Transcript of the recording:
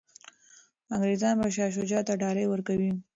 انګریزان به شاه شجاع ته ډالۍ ورکوي.